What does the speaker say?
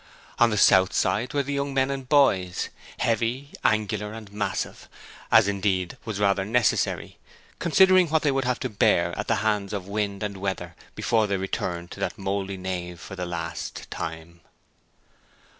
On the south side were the young men and boys, heavy, angular, and massive, as indeed was rather necessary, considering what they would have to bear at the hands of wind and weather before they returned to that mouldy nave for the last time.